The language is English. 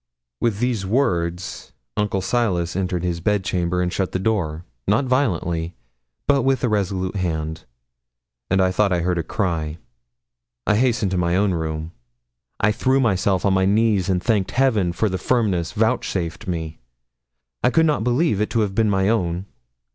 With these words Uncle Silas entered his bed chamber, and shut the door, not violently, but with a resolute hand, and I thought I heard a cry. I hastened to my own room. I threw myself on my knees, and thanked Heaven for the firmness vouchsafed me; I could not believe it to have been my own.